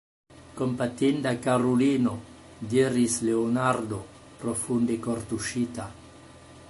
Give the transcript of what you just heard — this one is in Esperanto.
Kompatinda karulino, diris Leonardo, profunde kortuŝita.